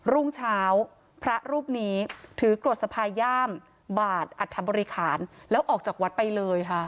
รุ่งเช้าพระรูปนี้ถือกรวดสะพายย่ามบาดอัธบริคารแล้วออกจากวัดไปเลยค่ะ